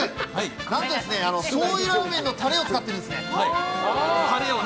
何としょうゆラーメンのタレを使ってるんです。